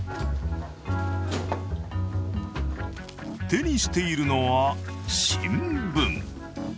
手にしているのは新聞。